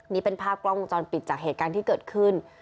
นี่เป็นภาพกล้องวงจรปิดจากเหตุการณ์ที่เกิดขึ้น